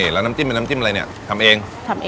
แล้วน้ำจิ้มเป็นน้ำจิ้มอะไรทำเอง